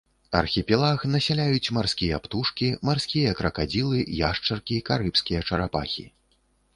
Архіпелаг насяляюць марскія птушкі, марскія кракадзілы, яшчаркі, карыбскія чарапахі.